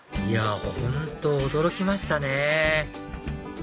いや本当驚きましたね